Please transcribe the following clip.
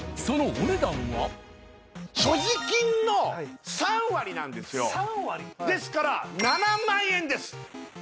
そのお値段は所持金の３割なんですよ３割？ですから７万円です